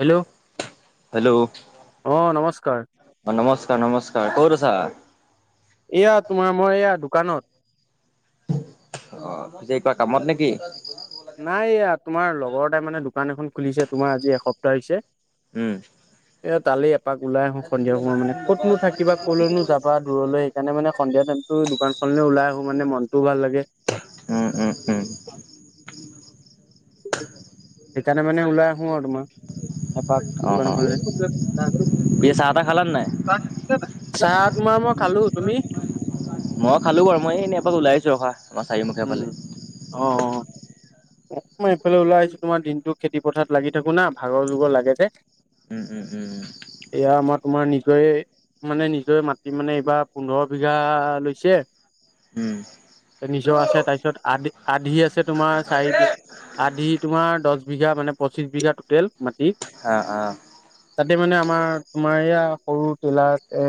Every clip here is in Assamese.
হেল্ল' হেল্ল' অঁ নমস্কাৰ। অ নমস্কাৰ নমস্কাৰ ক'ত আছা? এয়া তোমাৰ মই এইয়া দোকানত। অ পিছে কিবা কামত নেকি? নাইএয়া তোমাৰ লগৰ এটাই মানে দোকান এখন খুলিছে তোমাৰ আজি এসপ্তাহ হৈছে। উম। এ তালে, এপাক ওলাই আহো সন্ধিয়া সময় মানে ক'তনো থাকিবা ক'লৈনো যাবা দৰলৈ সেইকাৰণে মানে সন্ধিয়া টাইম, দোকানখনলে ওলাই আহো মানে মনতো ভাল লাগে। উম, উম, উম। সেইকাৰণে মানে ওলাই আহো। আহো আৰু তোমাৰ এপাক অ অ দোকান খনলে। পিছে চাহ তাহ খালানে নাই? চাহ তোমাৰ মই খালো তুমি। মই খালো বাৰু মই এনেই এপাক ওলাই আহিছোঁ ৰখা আমাৰ চাৰিমখীয়া ফালে। অ'হ, অ'হ। অ মই এইফালে ওলাই আহিছো তোমাৰ দিনটো খেতি পথাৰ লাগি থাকো না ভাগৰ যোগৰ লাগে যে। উম, উম, উম, উম। এয়া আমাৰ তোমাৰ নিজয়ে। মানে নিজৰে মাটি মানে এইবাৰ পোন্ধৰ বিঘা লৈছে। উ'ম। নিজৰ আছে তাৰপিছত আদি আধি আছে তোমাৰ চাৰি- আধি তোমাৰ দহ বিঘা মানে পঁচিশ বিঘা টোটেল মাটি। অ'হ, অ'হ। উ [unintelligible] তাতে মানে আমাৰ তোমাৰ এয়া সৰু টিলাৰ এ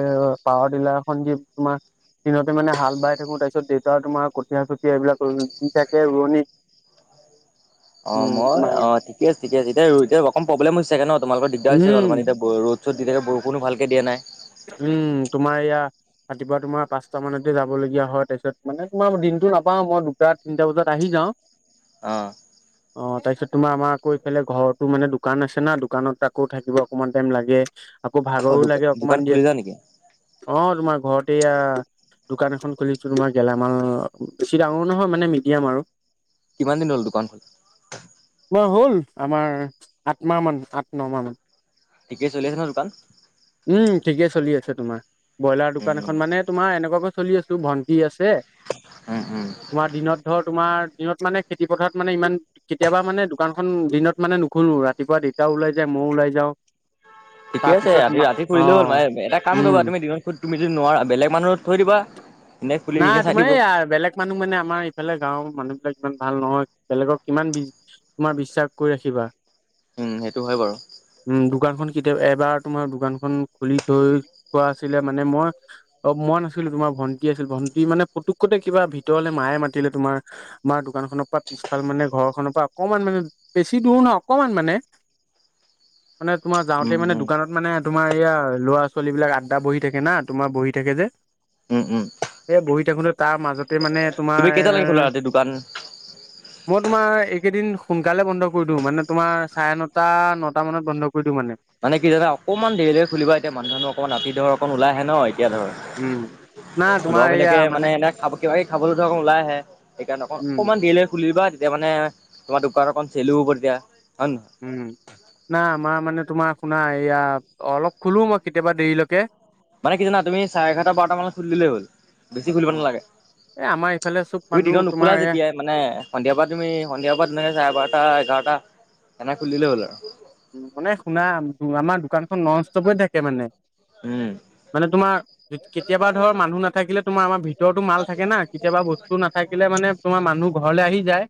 পাৱাৰ টিলাৰখন যি তোমাৰ। দিনতে মানে হাল বাই থাকো তাৰ পিছত দেউতা তোমাৰ কঠীয়া চঠীয়া এইবিলাক ৰুই থাকে ৰোৱনী। অ মই তোমাৰ অ ঠিক আছে ঠিক আছে এয়া এয়া অকণ প্ৰব্লেম হৈছোগে ন তোমালোকৰ দিগদাৰ হৈছোগে উম অলপমান এতিয়া। ৰ'দ' চদ দি থাকে, বৰষূণ ভালকৈ দিয়া নাই। উম তোমাৰ এইয়া। ৰাতিপুৱা তোমাৰ পাঁচটা মানতে যাবলগীয়া হয় তাৰপিছত মানে তোমাৰ দিনটো নাপাওঁ মই। তিনটা বজাত আহি যাওঁ। অহঁ। [unintelligible] অ তাৰপিছত তোমাৰ আমাৰ আকৌ এইফালে ঘৰৰতো মানে দোকান আছে না দোকানত আকৌ থাকিব অকমান টাইম লাগে। আকৌ অ ভাগৰো দোকান লাগে দোকান অকমান দি আছো খুলিলা নেকি অ তোমাৰ ঘৰতে এয়া। দোকান এখন খুলিছো তোমাৰ গেলামাল বেছি ডাঙৰ নহয় মানে মিডিয়াম আৰু। কিমান দিন হ'ল দোকান খোলা মই হ'ল আমাৰ আঠ মাহ মান আঠ ন মান ঠিকেই চলি আছে ন দোকান উম ঠিকে চলি আছে তোমাৰ ব্ৰইলাৰ উম দোকান এখন উম মানে তোমাৰ এনেকুৱাকৈ চলি আছো আছে উম উম তোমাৰ দিনত ধৰ তোমাৰ দিনত মানে খেতি পথাৰত মানে ইমান কেতিয়াবা মানে দোকানখন দিনত মানে নুখুনো ৰাতিপুৱা দেতাও ওলাই যায় মইও ওলাই যাওঁ। ঠিকে আছে তাৰপিছত মা ৰাতি অ ফুৰিলেও হ'ল ম এটা কাম উম কৰিবা তুমিত তুমি যদি নোৱাৰা বেলেগ মানুহ থৈ দিবা। এনে খুলি না এনে চাই তোমাৰ দিব এই বেলেগ। মানুহ মানে আমাৰ ইফালে গাঁওৰ মানুহ বিলাক ইমান ভাল নহয়, বেলেগক কিমান বিজি। তোমাৰ বিশ্বাস কৰি ৰাখিবা। উম সেইটো হয় বাৰু। উম দোকানখন কেতিয়াবা এবাৰ তোমাৰ দোকানখন খুলি থৈ থোৱা আছিলে মানে মই। অ মই নাছিলো তোমাৰ ভণ্টি আছিল ভন্টি মানে পুতুকতে কিবা ভিতৰলে মায়ে মাতিলে তোমাৰ। আমাৰ দোকান খনৰ পৰা- পিছফাল মানে ঘৰখনৰ পৰা অকমান মানে বেছি দূৰ নহয় অকমান মানে- মানে তোমাৰ উম যাওঁতে মানে উম দোকানত মানে তোমাৰ এইয়া ল'ৰা ছোৱালী বিলাক আদ্ডা বহি থাকে না তোমাৰ বহি থাকে যে - উম উম এ বহি থাকোতে তাৰ মাজতে মানে তুমি তোমাৰ কেইটালৈকে খোলা এ- ৰাতি দোকান? মই তোমাৰ এইকেইদিন সোনকালে বন্ধ কৰি দিওঁ মানে তোমাৰ চাৰে নটা নটা মানত বন্ধ কৰি দিওঁ মানে- মানে কি যানা অকমান দেৰিলৈকে খুলিবা এতিয়া মানুহ জানুহ অকমান ৰাতি ধৰ অকমাণ ওলাই আহে ন এতিয়া ধৰ। উম না তোমাৰ এয়া লৰাবিলাকে মানে এনে খাব কিবা কিবি খাবলৈ ধৰক ওলাই আহে সেইকাৰণে উম অকমান দেৰিলৈকে খুলিবা। তেতিয়া মানে তোমাৰ দোকান অকণ চেলো হব তেতিয়া হয় নে নহয়। উম নাই আমাৰ মানে তোমাৰ শুনা এয়া অলপ খোলো মই কেতিয়াবা দেৰিলৈকে- মানে কি জানা তুমি চাৰে এঘাৰটা বাৰটা মানলৈকে খুুলি দিলেই হল বেছি খুলিব নালাগে। তোমাৰ ইফালে চব তুমি দিনত মানুহ নুখোলা তোমাৰ এয়া যেতিয়াই মানে সন্ধিয়াৰ পৰা তুমি সন্ধিয়াৰ পৰা তেনেকে চাৰে বাৰটা এঘাৰটা তেনেকে খুলিদিলেই হ'ল আৰু। মানে শুনা, আমাৰ দোকানখন নন ষ্টপে থাকে মানে। উম মানে তোমাৰ কেতিয়াবা ধৰ মানুহ নাথাকিলে তোমাৰ আমাৰ ভিতৰতো মাল থাকে না কেতিয়াবা বস্তু নাথাকিলে মানে- তোমাৰ মানুহ ঘৰলৈ আহি যায়।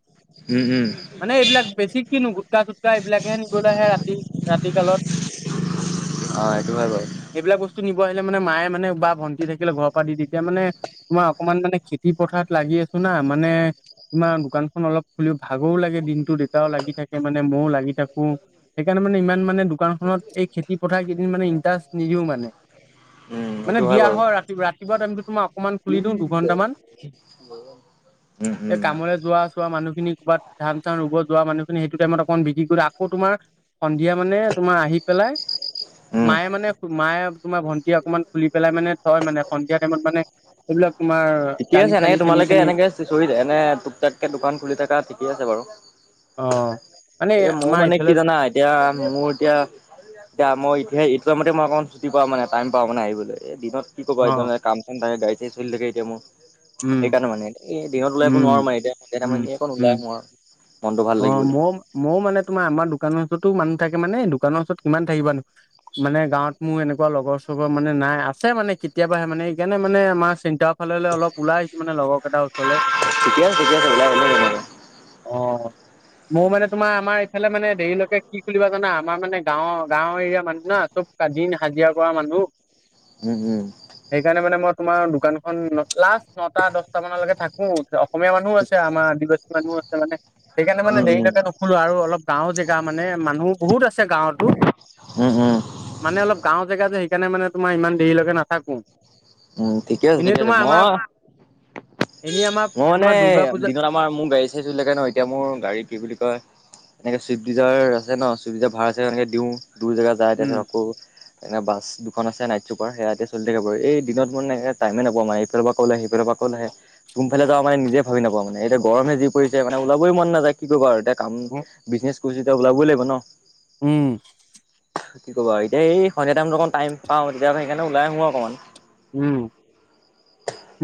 উম, উম। মানে এইবিলাক বেছি কিনো গোটকা চুটকা এইবিলাকে আহে ৰাতি- ৰাতি কালত। অ সেইটো হয় বাৰু এইবিলাক বস্তু নিব আহিলে মানে মায়ে মানে বা ভণ্টি থাকিলে ঘৰৰ পৰা দি দিয়ে, তেতিয়া মানে তোমাৰ অকমান মানে খেতি পথাৰত লাগি আছো না, মানে তোমাৰ দোকানখন অলপ খুলি ভাগৰো লাগে দিন টো দেতাও লাগি থাকে মানে মইও লাগি থাকো, সেইকাৰণে মানে ইমান মানে দোকানখনত এই খেতি পথাৰ কেইদিন মানে ইণ্টাৰেষ্ট নিদিও মানে। উম মানে সেইটো দিয়া বাৰু হয়, ৰাতি ৰাতিপুৱা টাইমটো তোমাৰ অকনমান খুলি উম, দিওঁ [unintelligible] দুঘন্টামান। এই উম কামলে যোৱা চোৱা মানুহখিনি ক'ৰবাত ধান চান ৰুব যোৱা মানুহখিনি সেইটো টাইমত অকমান বিক্ৰী কৰি আকৌ তোমাৰ সন্ধিয়া মানে তোমাৰ আহি পেলাই উম। মায়ে মানে মায়ে তোমাৰ ভণ্টি অকণমান খুলি পেলাই মানে থয় মানে সন্ধিয়া টাইমত মানে সেইবিলাক তোমাৰ ঠিকে দালি আছে এনে চালি চেনি তোমালোকে চেনি এনেকে চৰি এনে টুপটাককে দোকান খুলি থাকা ঠিকে আছে বাৰু। অ'। মানে এ মওঁ আমাৰ মানে কি এইফালে জানা এতিয়া মোৰ এতিয়া এতিয়া মই এতিয়া ইটো মতে মই অকণ ছুটি পাওঁ মানে টাইম পাও মানে আহিবলৈ এ দিনত কি ক'বা অ এতিয়া মানে কাম চাম থাকে গাড়ী চাড়ী চলি থাকে এতিয়া মোৰ। উম সেইকাৰণে মানে, এই দিনত ওলাই আহিব উম নোৱাৰো মানে এতিয়া উম মানে [unintelligible] অকণ উম ওলাই আহো আৰু। মনটো ভাল অ', লাগিবলে। মই মওঁ মানে তোমাৰ আমাৰ দোকানৰ ওচৰতো মানুহ থাকে মানে দোকানৰ ওচৰত কিমান থাকিবানো মানে গাঁৱত মোৰ এনেকুৱা লগৰ চগৰ মানে নাই আছে মানে কেতিয়াবাহে মানে সেইকাৰণে মানে মাৰ চিন্তা ফালে অলপ ওলাই আহিছো মানে লগৰকেইটাৰ ওচৰলে। ঠিকে আছে ঠিকে আছে ওলাই আহিলে তেনেকে উম উম উম অ'। মোৰ মানে তোমাৰ আমাৰ ইফালে মানে দেৰিলৈকে কি খুলিবা জানা, আমাৰ মানে গাঁৱৰ-গাঁৱৰ এৰিয়াৰ মানুহ না, চব দিন হাজিৰা কৰা মানুহ। উম, উম। সেইকাৰণে মানে মই তোমাৰ দোকানখন লাষ্ট নটা দহটা মানলৈকে থাকো, অসমীয়া মানুহো আছে আমাৰ আদিবাসী মানুহো আছে মানে। সেইকাৰণে উম মানে দেৰিলৈকে নুখোলো আৰু অলপ গাঁওৰ জেগা মানে মানুহ বহুত আছে গাঁৱতো। উম, উম। মানে অলপ গাঁৱ জেগা যে, সেইকাৰণে মানে তোমাৰ ইমান দেৰিলৈকে নাথাকোঁ। উম, ঠিকে আছে- ঠিকে আছে, মই-মই এনেই আমাৰ মানে তোমাৰ দুৰ্গা পূজা দিনত তোমাৰ মোৰ গাড়ী চাৰি ন, এতিয়া মোৰ গাড়ী কি বুলি কয় এনেকে ছুইফট দিজাৰ আছে ন, ছুইফট দিজাৰ ভাৰা ছাৰা এনেকে দিওঁ দুই জেগাত যায় উম তাৰপিছত আকৌ এতিয়া আকৌ এনে বাছ দুখন আছে, নাইট চুপাৰ সেয়া এতিয়া চলি থাকে বাৰু এই দিনত মানে টাইমে নাপাওঁ মানে ইফালৰ পৰা কল আহে, সিফালৰ পৰা কল আহে। কোনফালে যাওঁ মান নিজে ভাবি নাপাও মানে, এতিয়া গৰম যি পৰিছে মানে ওলাবই মন নাযায় কি কৰিব আৰু এতিয়া কাম বিজনেচ কৰিছো যেতিয়া ওলাবই লাগিব ন। উম। কি ক'বা আৰু এতিয়া এই সন্ধিয়া টাইমটোত অকণ টাইম পাওঁ, তেতিয়া সেইকাৰণে ওলাই আহো অকণমান। উম।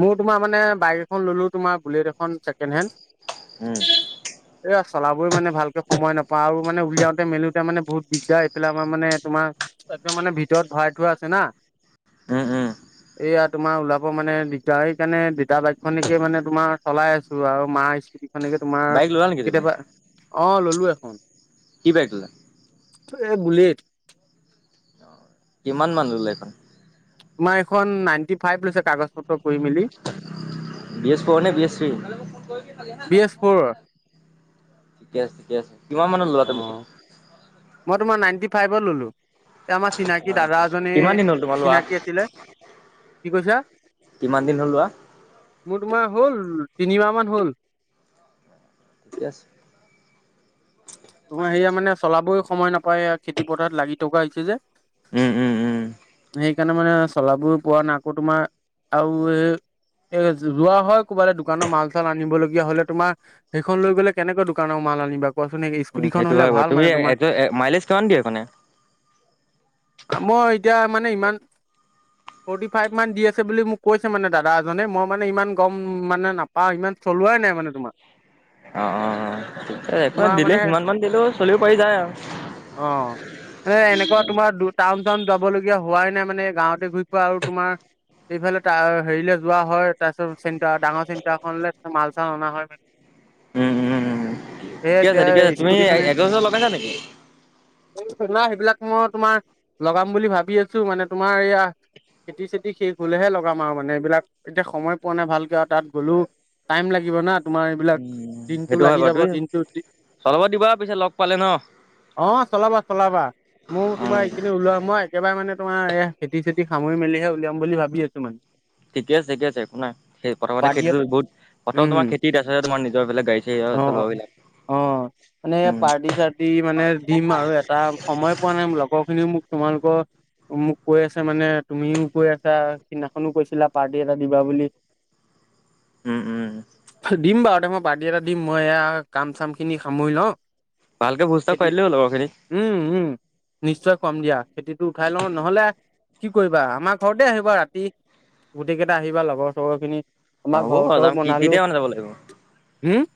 মওঁ তোমাৰ মানে বাইক এখন ল'লো তোমাৰ বুলেট এখন ছেকেণ্ড হেণ্ড। উম। এয়া চালাবই মানে ভালকে সময় নাপাওঁ আৰু মানে উলিয়াওতে মেলো এতিয়া মানে বহুত দিগদাৰ। এইফালে আমাৰ মানে তোমাৰ একদম মানে ভিতৰত ভৰাই থোৱা আছে না। উ, উ। এয়া তোমাৰ ওলাব মানে দি তেতিয়া সেইকাৰণে দেতাৰ বাইক খনেকে মানে তোমাৰ চলাই আছো আৰু মাৰ স্কুটি খনেকে তোমাৰ বাইক ল'লা নেকি তুমি? কেতিয়াবা, অ', ল'লো এখন। কি বাইক ল'লা। এ বুুলেট কিমান মান ল'লে এইখন? তোমাৰ এখন নাইনটি ফাইভ লৈছে কাগজ পত্ৰ কৰি মেলি। বি এছ ফৰ নে বি এছ থ্ৰী? ঠিকে বি এছ ফ'ৰ আছে, ঠিকে আছে। কিমান মানত ললা অ তুমি? মই তোমাৰ নাইনটি ফাইভত ললো। এ আমাৰ চিনাকি দাদা এজনে কিমান দিন হ'ল তোমাৰ লোৱা? চিনাকী আছিলে। কি কৈছা কিমান দিন হ'ল লোৱা? মোৰ তোমাৰ হ'ল তিনিমাহ মান হ'ল। ঠিকে আছে। তোমাৰ হেইয়া মানে চলাবই সময় নাপাও। এইয়া খেতি পথাৰত লাগি থকা হৈছে যে। উম, উম, উম। সেইকাৰণে মানে চলাবই পোৱা নাই। আকৌ তোমাৰ আৰু এই এ যোৱা হয় কবালে দোকানৰ মাল-চাল আনিবলগীয়া হ'লে তোমাৰ। সেইখন লৈ গ'লে কেনেকৈ দোকানৰ মাল আনিবা কোৱাচোন। সেই উম, স্কুটিখন সেইটো হয় হ'লে বাৰু। ভাল তুমি মানে তোমাৰ। মাইলেজ কিমান দিয়ে সেইখনে? আ মই এতিয়া মানে ইমান ফৰ্টি ফাইভ মান দি আছে বুলি মোক কৈছে মানে দাদা এজনে। মই মানে ইমান গম মানে নাপা পাও ইমান চলোৱাই নাই মানে তোমাৰ। অ, অ, অ। সেইখন তোমাৰ দিলে মানে সিমান মান দিলেও চলি পাৰি যায় আৰু। অ, অ এ এনেকুৱা তোমাৰ দু টাউন টাউন যাবলগীয়া হোৱাই নাই মানে গাঁৱতে ঘূৰি ফুৰা আৰু তোমাৰ সেইফালে তাৰ হেৰিলে যোৱা হয়। তাৰপিছত চেন্টাৰ ডাঙৰ চেণ্টাৰখনলে মাল চাল অনা হয় মানে। উম, উম, উম। সেই ঠিকে আছে, এতিয়া ঠিকে আছে। এই তুমি স্কুটিখনে নাই একজষ্ট লগাইছা নেকি? সেইবিলাক মই তোমাৰ লগাম বুলি ভাবি আছো মানে তোমাৰ এইয়া খেতি-চেতি শেষ হ'লেহে লগাম আৰু মানে এইবিলাক। এতিয়া সময় পোৱা নাই ভালকে আৰু তাত গ'লো টাইম লাগিব না। তোমাৰ এইবিলাক উম। দিনটো সেইটো হয় লাগি বাৰু। যাব। তুমি দিনটো দি চলাব দিবা পিছে লগ পালে ন'? অ চলাবা, চলাবা। মোৰ তোমাৰ উম, এইখিনি ওলোৱা মই একেবাৰে মানে তোমাৰ এই খেতি-চেতি সামৰি মেলিহে উলিয়াম বুলি ভাবি আছো মানে। ঠিক আছে, ঠিকে আছে একো নাই। সেই প্ৰথমতে খেতিটো বালিয়টো বহুত প্ৰথম উম তোমাৰ খেতি তাৰচতহে তোমাৰ নিজৰ হেফালে গাড়ী অ চা অ [unintelligible] অ মানে পাৰ্টি-চাৰ্টি মানে দিম আৰু এটা। সময় পোৱা নাই। লগৰখিনিও মোক তোমালোকৰ মোক কৈ আছে মানে তুমিও কৈ আছা। সিদিনাখনো কৈছিলা পাৰ্টি এটা দিবা বুলি। [inaudible] উম, উম। দিম বাৰু দে মই পাৰ্টি এটা দিম। মই এয়া কাম-চামখিনি সামৰি লওঁ। ভালকে ভোজ এটা খেতি খোৱাই দিলে হ'ল লগৰখিনিক। উম, উম নিশ্চয় খুৱাম দিয়া। খেতিটো উঠাই লওঁ নহলে কি কৰিবা? আমাৰ ঘৰতে আহিবা ৰাতি। গোটেইকেইটা আহিবা লগৰ-চগৰ খিনি। আমাৰ হ'ব ঘৰ বাৰু ওচৰৰ যাম কি কুনালো কেতিয়া মানে যাব লাগিব হুম?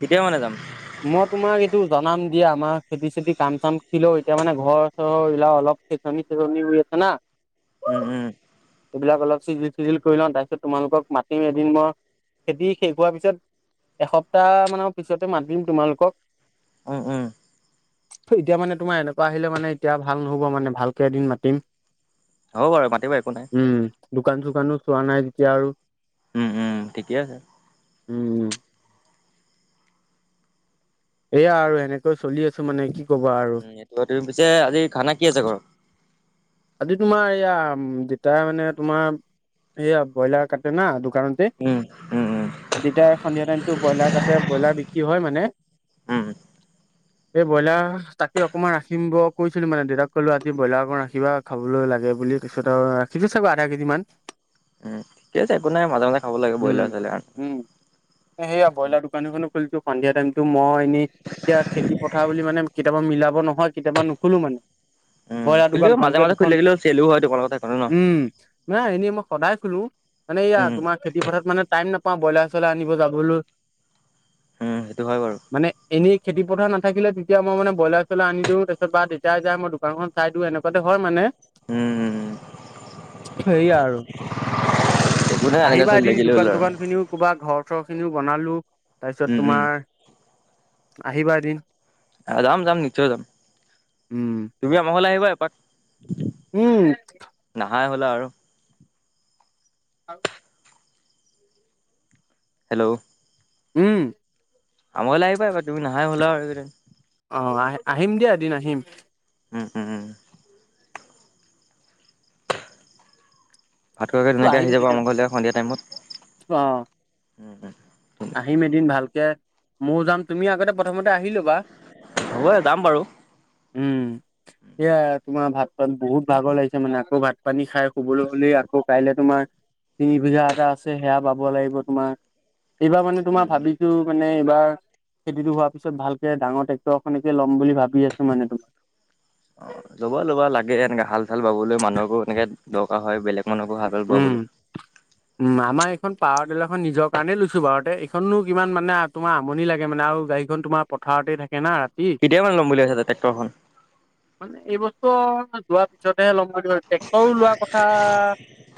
কেতিয়া মানে যাম মই তোমাক এইটো জনাম দিয়া আমাৰ খেতি চেতি কাম চাম থাকিলেও এতিয়া মানে ঘৰ চৰ এইবিলাক অলপ বেতনি তোৰনি ৰুই আছে না উম, উম। এইবিলাক অলপ চিজিল-টিজিল কৰি লওঁ। তাৰপিছত তোমালোকক মাতিম এদিন মই। খেতি শেষ হোৱাৰ পিছত এসপ্তাহ মানৰ পিছতে মাতিম তোমালোকক। উম উম এতিয়া মানে তোমাৰ এনেকুৱা আহিলে মানে এতিয়া ভাল নহ'ব মানে ভালকে এদিন মাতিম হ'ব বাৰু মাতিবা একো নাই উম দোকান চোকানো চোৱা নাই যেতিয়া আৰু উম উম ঠিকে আছে উম উম এয়া আৰু এনেকৈ চলি আছো মানে কি কবা আৰু উম এইটো তুমি পিছে আজি খানা কি আছে ঘৰত আজি তোমাৰ এইয়া দেতাই মানে তোমাৰ এইয়া ব্ৰইলাৰ কাটে না দোকানতে উম উম উম দেতাই সন্ধিয়া টাইমতো ব্ৰইলাৰ কাটে ব্ৰইলাৰ বিক্ৰী হয় মানে উম এই ব্ৰইলাৰ তাকে অকনমান ৰাখিম-ব কৈছিলো মানে দেউতাক ক'লো আজি ব্ৰইলাৰ অকমান ৰাখিবা খাবলৈ লাগে বুলি তাচত আৰু ৰাখিব চাগৈ আধা কেজি মান উম ঠিক আছে একো নাই মাজে মাজে খাব লাগে ব্ৰইলাৰ চইলাৰ অ সেয়া ব্ৰইলাৰ দোকান এখনো খুলিছো সন্ধিয়া টাইমতো মই এনেই এতিয়া খেতি পথাৰ বুলি মানে কেতিয়াবা মিলাব নহয় কেতিয়াবা নুখোলো মানে উম ব্ৰইলাৰ খুলিলেও দোকানখন মাজে এতিয়া মাজে খুলি দুখন থাকিলেও চেলো হয় তোমাৰ কথা টো ন উম, নাই এনেই মই সদায় খোলো মানে এইয়া উম তোমাৰ খেতি পথাৰত মানে টাইম নাপাওঁ ব্ৰইলাৰ চ্ৰইলাৰ আনিব যাবলৈ উম সেইটো হয় বাৰু মানে এনেই খেতিপথাৰ নাথাকিলে তেতিয়া মই মানে ব্ৰলাৰ চইলাৰ আনি দিওঁ তাৰপিছত বা দেতাই যায় মই দোকানখন চাই দিও এনেকুৱাতে হয় মানে উম উম সেয়া আৰু একো নাই এনেকে আহিবা চলি এদিন থাকিলে হ'ল দোকান আৰু চোকান খিনিও ক'বা ঘৰ চৰ খিনিও বনালো উম তাৰপিছত উম তোমাৰ আহিবা এদিন যাম যাম নিশ্চয় যাম উম তুমি আমা ঘলে আহিবা এপাক উম নাহাই হ'লা আৰু আৰু, হেল্ল', উম। আমাৰ ঘৰলে আহিবা এপাক, তুমি নাহাই হ'লা আৰু এইকেইদিন অ আহ আহিম দিয়া এদিন আহিম। ওম ওম। ভাত খোৱাকে ধুনিয়াকে আহিম আহি যাবা আমা ঘৰলে সন্ধিয়া টাইমত। অ। উম। উম আহিম এদিন ভালকে, ময়ো যাম, তুমি আগতে প্ৰথমতে আহি লবা। হ'ব যাম বাৰু। উম, সেয়া তোমাৰ ভাত পাত বহুত ভাগৰ লাগিছে মানে আকৌ ভাত - পানী খাই শুবলৈ হ'লেই, আকৌ কাইলে তোমাৰ তিনি বিঘা এটা আছে সেয়া বাব লাগিব তোমাৰ। এইবাৰ মানে তোমাৰ ভাবি- ছো মানে এইবাৰ খেতিটো হোৱাৰ পিছত ভালকে ডাঙৰ ট্ৰেক্টৰ খনেকে ল'ম বুলি ভাবি আছো মানে তোমাৰ। অ লব লবা লাগে এনে হাল চাল বাবলৈ মানুহকো এনেকে দৰকাৰ হয়, বেলেগ মানুহকো হাল- হাল উম বাবলে। উম আমাৰ এইখন পাৱাৰ টিলাৰখন নিজৰ কাৰণেই লৈছো বাৰতে, এইখনো কিমান মানে- তোমাৰ আমনি লাগে মানে আৰু গাড়ীখন তোমাৰ পথাৰতেই থাকে না। ৰাতি কেতিয়া মানে লম বুলি ভাবিছ তই ট্ৰেক্টৰ খন। মানে এই বছৰ যোৱাৰ পিছতহে ল'ম বুলি ভাবিছো মই ট্ৰেক্টৰো লোৱা কথা,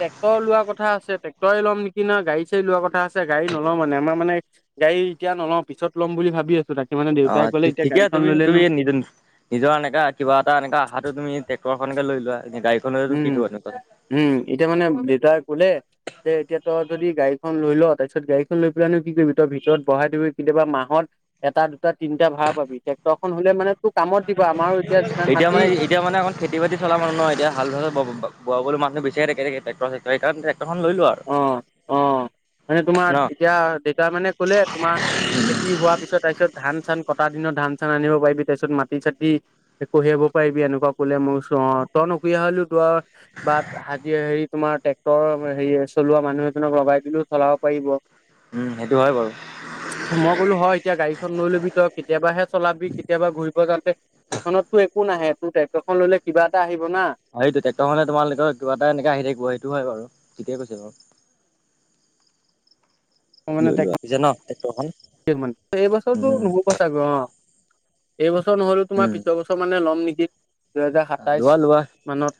ট্ৰেক্টৰ লোৱাৰ কথা আছে, টেক ক্টই ল'ম নিকি না গাডী চাড়ী লোৱা কথা আছে, গাড়ী নলও মানে আমাৰ মানে গাড়ী- এতিয়া নলওঁ পিছত ল'ম ভাবি আছো তাকে। মানে অ দেউতাই ক'লে ঠিক এতিয়া কেতিয়া গাড়ীখন তুমি ল'লেনো তুমি নি - নিজৰ এনেকা কিবা এনেকা আহাটো তুমি ট্ৰেক্টৰ এখনকে লৈ লোৱা, গাড়ী লৈ নো উম কি কৰিবা তাত। উম, এতিয়া মানে দেউতাৰ কুলে। যে এতিয়া তই যদি গাড়ীখন লৈ ল, তাৰপিছত গাড়ীখন লৈ পেলাইনো কি কৰিবি, তই ভিতৰত ভৰাই থবি, কেতিয়াবা মাহত, এটা দুটা তিনিটা ভাড়া পাবি, ট্ৰেক্টৰখন হলে মানে তোৰ কামত দিব, আমাৰো এতিয়া যিমান মাটি। এতিয়া মানে অকল খেতি চলা মানুহ নহয়, এতিয়া হাল চাল বাব বোৱাবলৈ মানুহ বিচাৰি থাকে, টেক্টৰ চেক্টৰ সেইকাৰণে এখন লৈ লোৱা আৰু। অ', অ', মানে ন তোমাৰ এতিয়া দেউতা মানে কলে তোমাৰ, খেতি হোৱাৰ পিছত তাৰপিছত ধান চান কটা দিনত ধান চান আনিব পাৰিবি, তাৰপিছত মাটি চাটি কঢ়িয়াব পাৰিবি এনেকুৱা কলে মই চো অ তই নকঢ়িয়া‌ হলো ত- বাট হি হেৰি তোমাৰ ট্ৰেক্টৰ হেৰি চলোৱা মানুহ এজনক লগাই দিলো। চলাব পাৰিব। উম সেইটো হয় বাওঁ। মই ক'লো হয় এতিয়া গাড়ীখন লৈ ল'বি তই কেতিয়াবাহে চলাবি কেতিয়াবা ঘূৰিব যাওঁতে, সেইখনতো একো নাহে, তোৰ ট্ৰেক্টৰখন ললে কিবা এটা আহিব না। সেইটো ট্ৰেক্টৰখনে তোমালোকক কিবা এটা এনেকে আহি থাকিব, সেইটো হয় বাৰু ঠিকেয় কৈছে বাও। [inaudible] মই মানে লৈ লোৱা পিছে ন ট্ৰেক্টৰখন [unintelligible] এইবছৰটো উম নহব, চাগে অ এইবছৰ নহলেও তোমাৰ উম পিছৰ বছৰ মানে ল'ম নেকি, দুহেজাৰ সাতাইশ লোৱা লোৱা মানত,